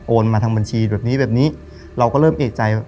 โอนมาทางบัญชีแบบนี้เราก็เริ่มเอกใจ